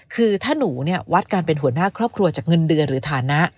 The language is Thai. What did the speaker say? คือถ้าหนูเนี่ยวัดการเป็นหัวหน้าครอบครัวจากเงินเดือนหรือฐานะ